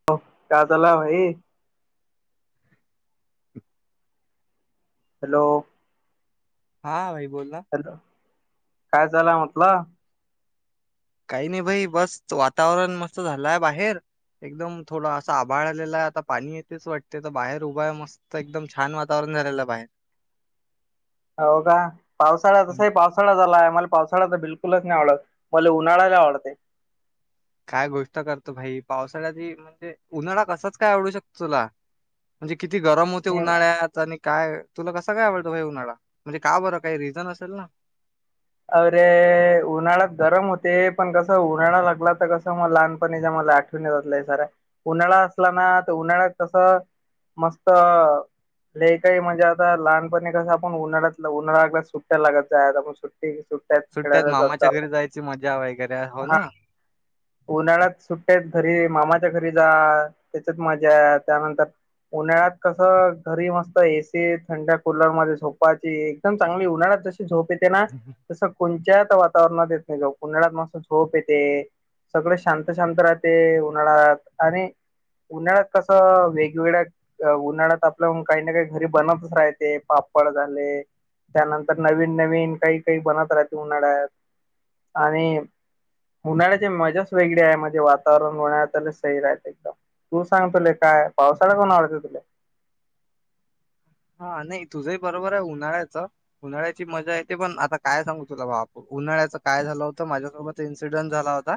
[inaudible] Hello. हा भाई बोल ना. काय झालं म्हटला? काही नाही भाई बस वातावरण मस्त झालंय बाहेर. एकदम थोडा असं आभाळ आलेला आहे, आता पाणी येतेच वाटते तर बाहेर उभा आहे मस्त. तर एकदम छान वातावरण झालेलं बाहेर. हो का पावसाळा हम्म. तसाही पावसाळा झाला आहे, मला पावसाळा तर बिलकुलच नाही आवडत. मला उन्हाळा लय आवडतोय. काय गोष्ट करतो भाई पावसाळ्यात म्हणजे उन्हाळा कसाच काय आवडू शकतो तुला. म्हणजे किती गरम होते नाही, उन्हाळ्यात आणि काय तुला कसं काय आवडतं हे उन्हाळा म्हणजे का बरं काही रिझन असेल ना. अरे उन्हाळ्यात गरम होते, पण कस उन्हाळा लागला तर कसं मग लहानपणी मला आठ जातय सार उन्हाळा असला ना तर उन्हाळ्यात तस मस्त लय काही मज्जा आता लहानपणी कस आपण उन्हाळ्याला उन्हाळाल्या सुट्या लागत जायच आता आपण सुट्ट [unintelligible] सुट्यात मामाच्या घरी जायची मजा वगैरे हो हा ना. उन्हाळ्यात सुट्ट्या आहेत तरी मामाच्या घरी जा. त्याच्यात मजा त्यानंतर उन्हाळ्यात कस घरी मस्त एसी थंड कूलर मध्ये झोपायची. चांगली उन्हाळ्यात जशी झोप ये ना तसं कोणत्याच वातावरणात येत नाही जो उन्हाळयात मस्त झोप येते. सगळे शांत शांत राहते उन्हाळात आणि उन्हाळ्यात कसं वेगवेगळ्या अ उन्हाळ्यात आपल्या काही ना काही घरी बनतच राहते पापड झाले त्यानंतर नवीन नवीन काही काही बनत राहते उन्हाळ्यात आणि उन्हाळ्याची मजाच वेगळी आहे म्हणजे वातावरण उन्हाळ्यात सैर आहेत एकदम. तु सांग तुले काय पावसाळा आवडयतं तुला. हा नाही तुझंही बरोबर हाय उन्हाळ्याचं, उन्हाळ्याची मजा येते पण आता काय सांगू तुला बा आपण उन्हाळ्याचं काय झालं होतं माझ्यासोबत इन्सिडेंट झाला होता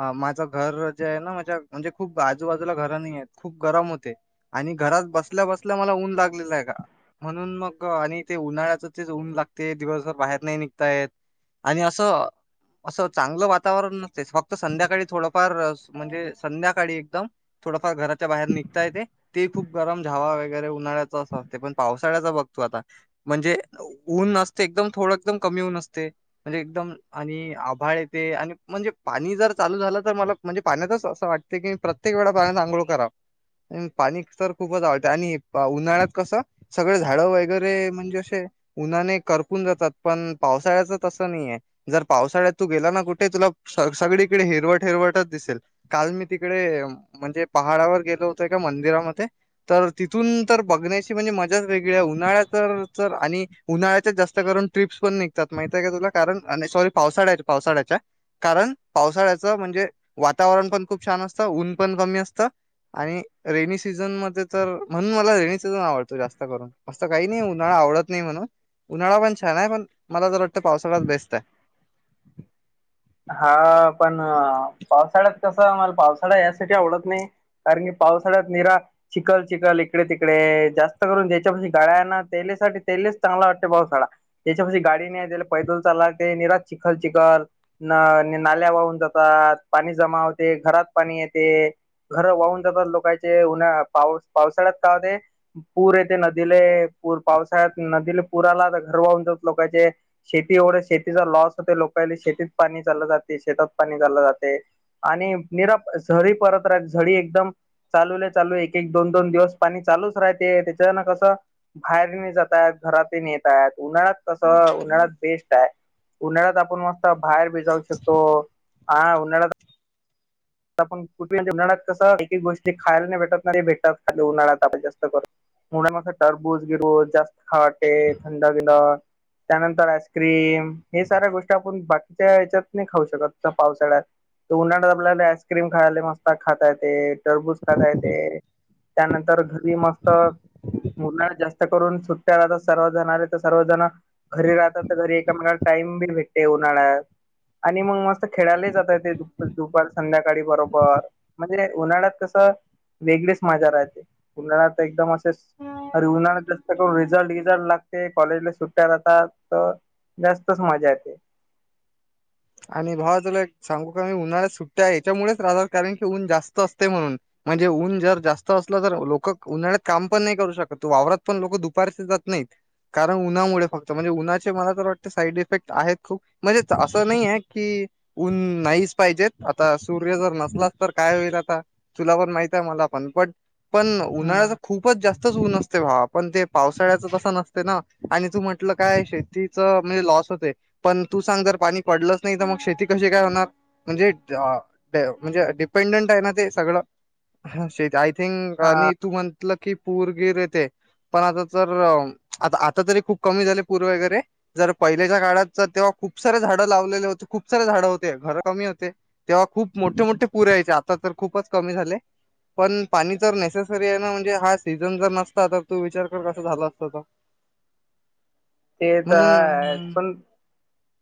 अ माझं घर जे आहे ना, माझ्या म्हणजे खूप आजूबाजूला घर नाहीयत, खूप गरम होते आणि घरात बसल्या बसल्या मला ऊन लागलेला आहे म्हणून मग, उन्हाळ्याच तेच ऊन लागते दिवसभर बाहेर नाही निघताय आणि असं असं चांगलं वातावरण नसतेच, फक्त संध्याकाळी थोडंफार म्हणजे संध्याकाळी एकदम थोडंफार घराच्या बाहेर निघता येते, ते खूप गरम हवा वगैरे उन्हाळ्याच अस ते पावसाळ्याचा बघ तु आता, म्हणजे ऊन नसते एकदम थोडं एकदम कमी ऊन असते म्हणजे एकदम आणि आभाळ येते आणि म्हणजे पाणी जर चालू झालं तर मला म्हणजे पाण्यातच असं वाटते की प्रत्य प्रत्येक वेळा पाण्यात आंघोळ कराव, पाणी तर खूपच आवडते आणि उन्हाळ्यात कसं सगळे झाडं वगैरे म्हणजे अशे उन्हाने करपून जातात पण, पावसाळ्याच तसं नाहीय जर पावसाळ्यात तू गेला ना कुठे तुला, सगळीकडे हिरवट, हिरवटच दिसेल. काल मी तिकडे म्हणजे पहाडावर गेलो होतो एका मंदिरामध्ये तर तिथून तर बघण्याची म्हणजे मज्याच वेगळी उन्हाळा तर आणि उन्हाळ्याच्या जास्त करून ट्रिप्स पण निघता त माहितय का तुला, कारण आणि सॉरी पावसाळ्या, पावसाळ्याच्या कारण पावसाळ्याचं म्हणजे वातावरण पण खूप छान असतं, ऊन पण कमी असतं आणि रेनी सीझन मध्ये तर, म्हणून मला रेनी सीझन आवडत तू जास्त करून, असं काही नाही उन्हाळा आवडत नाही म्हणून उन्हाळा पण छान हाय पण, मला तर वाटतं पावसाळाच बेस्ट हाय हा पण पावसाळ्यात कसं, मला पावसाळा यासाठी आवडत नाही कारण की पावसाळ्यात निरा चिखल, चिखल इकडे तिकडे जास्त करून ज्याच्यापशी गाळ्याना तेलेसाठी तेलेच चांगला वाटते पावसाळा त्याच्या पाशी गाडी नाही, त्याला पैद्रोल चालाय लागतंय निराज चिखल, चिखल न नाल्या वाहून जातात, पाणी जमा होते घरात पाणी येते घर वाहून जातात लोकांचे, उन्हा पावस, पावसाळ्यात काय होते पूर यते नदीले, पूर पावसाळ्यात नदीले पुर आला घर वाहून जात लोकांचे शेती एवढं शेतीचा लॉस होते, लोकांले शेतीत पाणी चाललं जाते शेतात पाणी चाललं जाते आणि निराप झरी परत राह झडी एकदम चालूल, चालू एक-एक, दोन -दोन दिवस पाणी चालूच राहते, त्याच्यान कसं बाहेरने जातात, घरातुन येतात उन्हाळ्यात कसं उन्हाळ्यात बेस्ट हाय उन्हाळ्यात आपण मस्त बाहेर बी जाऊ शकतो, आं उन्हाळ्यात आपण कुठे उन्हाळ्यात कस एक, एक गोष्टी खायला नाही भेटत नाही ते भेटत उन्हाळ्यात आपण जास्त करून मोड, टर्बूज, गिर जास्ट खाटे, थंड गिला त्यानंतर आईस्क्रीम, हे साऱ्या गोष्टी आपण बाकीच्या ह्याच्यात नाही खाऊ शकत पावसाळ्यात तर उन्हाळ्यात आपल्याला आईस्क्रीम खायला मस्त खाता येते, टरबूज खाता येते. त्यानंतर घरी मस्त मुलं जास्त करून सुट्ट्यालाता सर्वजण आले तर सर्वजण घरी राहतात तर घरी एकामेकाला टाइम बि भेटते उन्हाळ्यात. आणि मग मस्त खेळायला जाता येते, दुप दुपार संध्या काळी बरोबर म्हणजे उन्हाळ्यात कसं वेगळीच मजा राहते. उन्हाळ्यात तर एकदम असेच अरे उन्हाळ्यात जास्त करून रिझल्ट ईझल्ट लागते, कॉलेजला सुट्ट्या राहातात तर जास्तच मजा येते. आणि भावा तुला एक सांगू काय? उन्हाळ्यात सुट्ट्या ह्याच्यामुळेच राहातात कारण की, ऊन जास्त असते म्हणून. आणि ऊन जर जास्त असलं तर, लोक उन्हाळ्यात काम पण नाही करू शकत, वावरात पण लोक दुपारच जात नाहीत. कारण उन्हामुळे फक्त म्हणजे उन्हाचे मला तर वाटते, साईड इफेक्ट आहेत खूप म्हणजे अस अस नाही आहे की, ऊन नाहीच पाहिजेत. आता सूर्य जर नसलास तर, काय होईल आता. तुला पण माहित हाय, मला पण बट पण उन्हाळ्याच हम्म खूप खूपच जास्तच ऊन असते भावा, पण पावसाळ्याचं तसं नसते ना, तू म्हटलं काय आहे शेती शेतीच म्हणजे लॉस होतय, पण तू सांग जर पाणी पडलंच नाही, तर मग शेती कशी काय होणार? म्हणजे आ म्हणजे डिपेंडंट आहे ना, ते सगळं [unintelligible] थिंंग हा आणि तू म्हणटलं की पूरगीर येते. पण आता तर आता आता तरी, खूप कमी झाले पूर वगैरे. जर पहिल्याच्या काळात तर तेव्हा खूप सारे झाडं लावलेले होते, खूप सारे झाडं होते, घर कमी होते तेव्हा खूप मोठे मोठे पुरयाचे, आता तर खूपच कमी झाले. पण पाणी तर नेसेसरी आहे ना म्हणजे हा सीझन जर नसता, तर तू विचार कर, कस झाला असत ते ते तर हायच म्हणून पण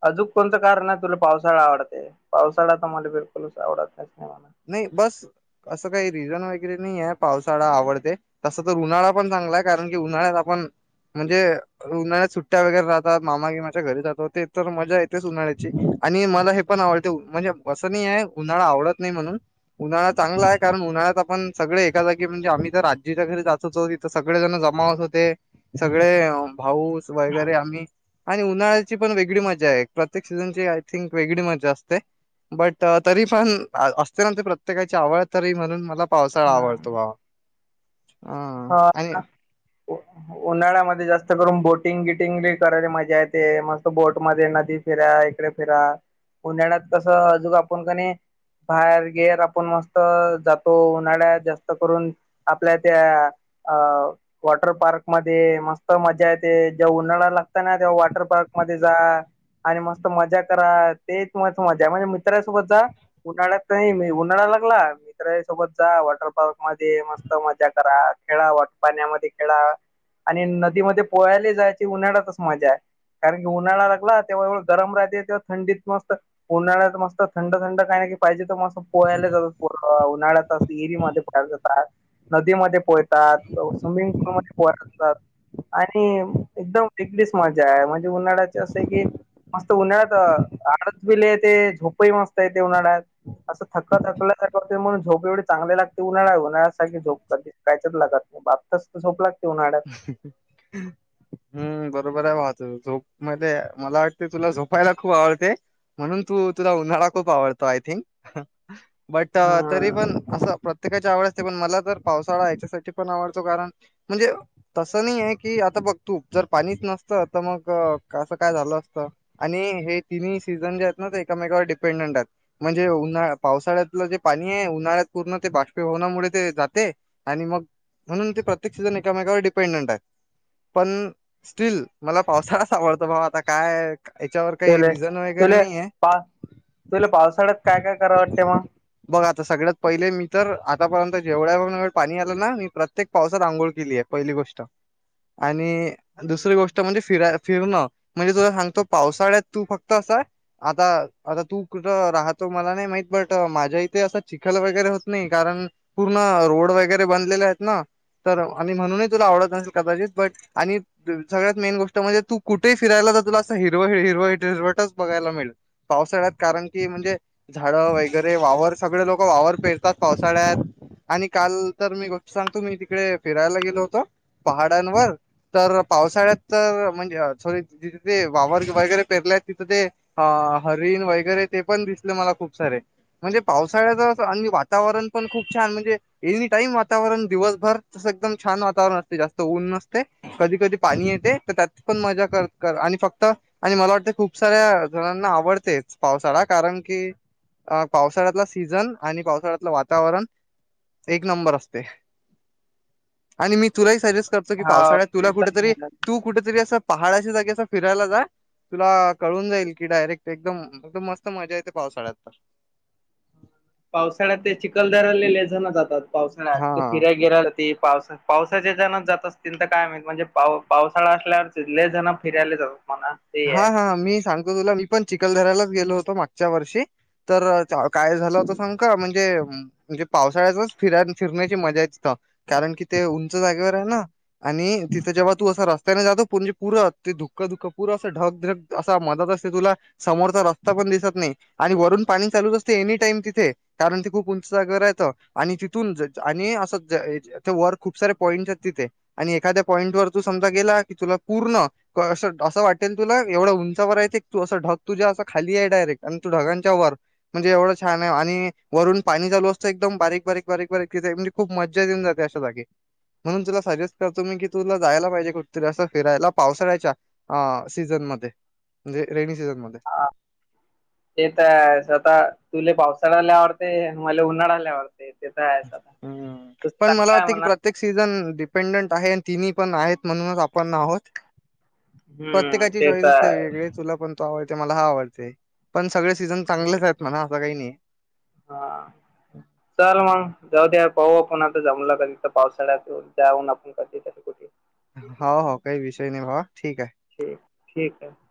अजूक कोणचं कारण आहे, तुला पावसाळा आवडते, पावसाळा तर मला बिलकुलच आवडत नाही, नाही मला. नाही बस असं काही रिझन वगैरे नाही ये, पावसाळा आवडते तस तर उन्हाळा पण चांगला हाय, कारण की उन्हाळ्यात आपण म्हणजे उन्हाळ्यात सुट्ट्या वगैरे राहतात. मामा गीमाच्या घरी जातो, ते तर मजा येतेच उन्हाळ्याची आणि मला हे पण आवडते म्हणजे असं नाही हाय, उन्हाळा आवडत नाही म्हणून. उन्हाळा चांगला हाय, कारण उन्हाळ्यात आपण सगळे एका जागी म्हणजे आम्ही तर आजीच्या घरी जातोय तरी सगळे जण जमा होत होते, सगळे भाऊस वगैरे आम्ही आणि उन्हाळ्याची पण वेगळी मजा आहे. प्रत्येक सीझनची आय थिंक वेगळी मजा असते. बट तरीपण असते म्हणजे प्रत्येकाची आवड, तरी म्हणून मला पावसाळा आवडतो हम्म बाबा. आ हा आणि उन्हाळ्यामध्ये जास्त करून बोटिंग, बिटिंग करायला मजा येते. मस्त बोटमध्ये नदी फिरा, इकडे फिरा, उन्हाळ्यात कसं अजू आपण कनी बाहेर गेर आपण मस्त जातो, उन्हाळ्यात जास्त करून. आपल्या त्या आ वॉटर पार्क मध्ये मस्त मजा येते. जेव्हा उन्हाळा लागत ना, तेव्हा वॉटर पार्क मध्ये जा. आणि मस्त मजा करा, तेच मस्त मजा म्हणजे मित्रासोबत जा. उन्हाळ्यात नाही, मी उन्हाळा लागला. मित्रांसोबत जा वॉटर पार्क मध्ये, मस्त मजा करा, खेळा पाण्यामध्ये खेळा. आणि नदीमध्ये पोहायले जायची, उन्हाळ्यातच मजा हाय. कारण की, उन्हाळा लागला तेव्हाव गरम राहते. तेव्हा थंडीत मस्तच उन्हाळयात मस्त थंड थंड काय की पाहिजे, तर मस्त पोहायला जातात पोरं. उन्हाळ्यात विहिरीमध्ये पोहायला जातात. नदीमध्ये पोहयतात, स्विमिंग पूलमध्ये पोहाय जातात. आणि एकदम वेगळीच मजा आहे म्हणजे उन्हाळ्याची असं की मस्त उन्हाळ्यात आळस बि लय येते. झोपही मस्त येते उन्हाळ्यात. असं थक थकल्या थकल्यासारखं वाटतंय म झोप पण, चांगली चांगले लागते उन्हाळ्या सारखी झोपतात काहयच लागत नाही. बातच झोप लागते उन्हाळ्यात [inaudible] हम् बरोबरय, बाबा तुझं झोप मध्ये मला वाटते तुला झोपायला खूप आवडते म्हणून तु तुला उन्हाळा खूप आवडतो आय थिंक बट हा तरी पण असं प्र प्रत्येकाची आवड असते पण मला तर पावसाळा ह्याच्यासाठी पण आवडतो कारण म्हणजे तस नाहीये की आता बघ तू जर पाणीच नसतं तर मग कसं काय झालं असतं? आणि हे तिन्ही सीझन जे आहेत ना ते एकमेकावर डिपेंडंटन आहेत म्हणजे उन्हा पावसाळ्यातलं जे पाणीय, उन्हाळ्यात पूर्ण ते बाष्पीभवनामुळे ते जाते आणि मग म्हणून ते प्रत्येक सिजन एकमेकावर डिपेंडंनायत पण स्टील मला पावसाळाच आवडतो बाबा आता काय याच्यावर काही तुले, रिझन वगैरे तुले नाहीये. पा तुले पावसाळ्यात काय काय कराव वाटते मग? बघ आता सगळ्यात पहिले मी तर आतापर्यंत जेवढ्या वेळ पाणी आलं ना, मी प्रत्येक पावसात आंघोळ केलीय पहिली गोष्ट आणि दुसरी गोष्ट म्हणजे फिराय फिरणं म्हणजे तुला सांगतो पावसाळ्यात तू फक्त असं आता आता तू कुठं राहतो मला नाही माहित बट माझ्या इथे असं चिखल वगैरे होत नाही कारण पूर्ण रोड वगैरे बनलेले आहेत ना तर आणि म्हणूनच तुला आवडत नसेल कदाचित बट आणि सगळ्यात मेन गोष्ट म्हणजे तू कुठेही फिरायला तर तुला असं हिरवं, हिरवं, ह हिरवटच बघायला मिळेल पावसाळ्यात कारण की म्हणजे झाडं वगैरे वावर सगळे लोक वावर पेरतात पावसाळ्यात आणि काल तर मी गोष्ट सांगतो मी तिकडे फिरायला गेलो होतो पहाडांवर तर पावसाळ्यात तर म्हणजे सॉरी जिथे ते वावर वगैरे पेरलय तिथे ते हा हरीण वगैरे ते पण दिसलें मला खूप सारे म्हणजे पावसाळ्याच आणि वातावरण पण खूप छान म्हणजे एनी टाईम वातावरण दिवसभर तसं एकदम छान वातावरण असते जास्त ऊन नसते कधी कधी पाणी येते तर त्यात पण मजा कर कर आणि फक्त आणि मला वाटतें खूप साऱ्या जणांना आवडतेच पावसाळा कारण की अ पावसाळ्यातला सीझन आणि पावसाळ्यातलं वातावरण एक नंबर असते आणि मी तुलाही सजेस्ट करतो की हा पावसाळ्यात तुला ते तर कुठेतरी, झालं. तू कुठेतरी असं पहाडाच्या जागे असं फिरायला जाय तुला कळून जाईल की डायरेक्ट एकदम मस्त मजा येते पावसाळ्यात तर पावसाळ्यात ते चिखलदर्या जातात पावसाळ्यात हा फिराय गेल्यावरती ते पावसा पावसाच्या ह्याचानं जात असतील तर काय माहीत म्हणजे पाव पावसाळा असल्यावरले लय जणं फिरायला जातात म्हणा ते हा आहे हा मी सांगतो तुला मी पण चिखलदराला गेलो होतो. मागच्या वर्षी तर काय झालं होतं सांगु का? म्हणजे म्हणजे पावसाळ्यातच फि फिरण्याची मजाय तिथं कारण कि ते उंच जागेवरय ना? आणि तिथं जेव्हा तू असं रस्त्याने जातो पुर्ण ते पुर्ण ते धुकं धुकं पूरं असं ढग ढक असा मदत असते तुला समोरचा रस्ता पण दिसत नायी आणि वरून पाणी चालूच असते एनी टाइम तिथें कारण ते खूप उंच जागेवरयतं आणि तिथून आणि असं वर खूप सारे पाॅईन्टसयत तिथे आणि एखाद्या पॉईंट वर तू समजा गेला की तुला पूर्ण असं असं वाटेल तुला एवढं उंचावरय ते तू असं ढग तझ्यां खालीय डायरेक्ट आण तू ढगांच्या वर म्हणजे एवढं छानय आणि वरून पाणी चालू असतं एकदम बारीक बारीक बारीक बारीक तिथें म्हणजे' खूप मज्जा देऊन जाते अशा जागी म्हणून तुला सजेस्ट करतो मी की तुला जायला पाहिजे कुठेतरी असं फिरायला पावसाळ्याच्या हा सीझन मध्ये म्हणजे रेनी सीझन मध्ये आ ते तर स्वतः तुले पावसाळा लय आवडते. अन् मले उन्हाळा लय आवडते. ते तर आहेच आता हम् तस पण मला चांगलं आहे वाटते कि म्हणा प्र प्रत्येक सीझन डिपेंडंट आहे. आणि तिन्ही पण आहेत म्हणून आपण आहोत. हम्म प्रत्येकाची ते चॉईस तर असते आहे वेगवेगळे तुला पण तो आवडते. मला हा आवडते. पण सगळे सीझन चांगलेच हम्म आहेत म्हणा असं काही नाही. हा. चल मग जाऊ दे. पाहू आपण आता जमलं कधी तर पावसाळ्यात जाऊन आपण कधी कधी कुठ [inaudible] हो हो काही विषय नाही बाबा ठीक आहे. ठीक ठीक आहे.